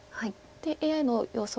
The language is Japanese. ＡＩの予想